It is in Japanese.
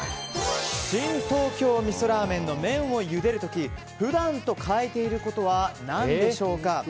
シン・東京味噌ラーメンの麺をゆでる時普段と変えていることは何でしょうか？